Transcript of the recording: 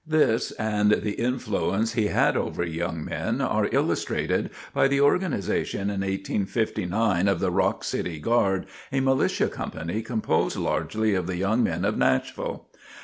This, and the influence he had over young men, are illustrated by the organization in 1859 of the Rock City Guard, a militia company composed largely of the young men of Nashville. Dr.